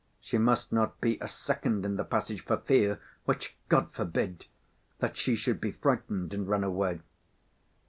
She must not be a second in the passage, for fear—which God forbid!—that she should be frightened and run away.